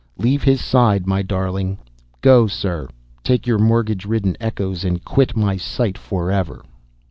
Leave his side, my darling; go, sir, take your mortgage ridden echoes and quit my sight forever.